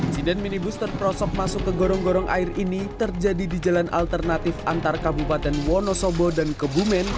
siden minibus terprosok masuk ke gorong gorong air ini terjadi di jalan alternatif antar kabupaten wonosobo dan kebumen